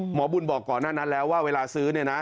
หมอบุญบอกก่อนหน้านั้นแล้วว่าเวลาซื้อเนี่ยนะ